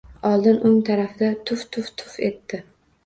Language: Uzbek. Oldin o‘ng tarafiga tuf-tuf-tuf etdi.